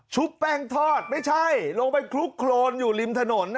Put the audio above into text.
แป้งทอดไม่ใช่ลงไปคลุกโครนอยู่ริมถนน